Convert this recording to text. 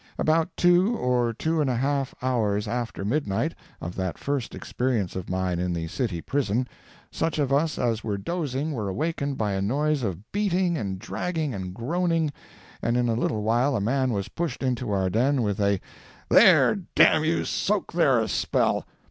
About two or two and a half hours after midnight, of that first experience of mine in the city prison, such of us as were dozing were awakened by a noise of beating and dragging and groaning, and in a little while a man was pushed into our den with a "There, d__n you, soak there a spell!"